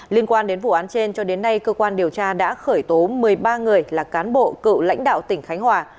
liên quan đến vụ án trên cho đến nay cơ quan điều tra đã khởi tố một mươi ba người là cán bộ cựu lãnh đạo tỉnh khánh hòa